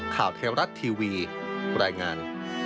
เทวรัฐทีวีรายงาน